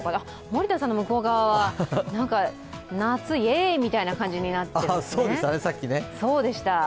森田さんの向こう側は、夏、イエーイという感じになってますね。